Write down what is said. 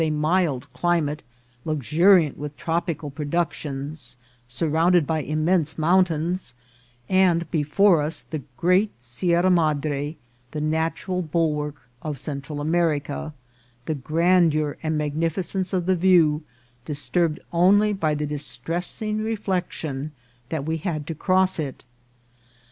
227 a mild climate, luxuriant with tropical productions, sur rounded by immense mountains, and before us the great Sierra Madre, the natural bulwark of Central America, the grandeur and magnificence of the view disturbed only by the distressing reflection that we had to cross it.